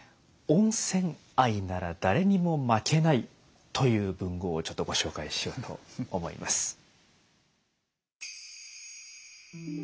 温泉愛なら誰にも負けないという文豪をちょっとご紹介しようと思います。